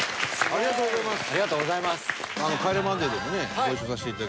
ありがとうございます。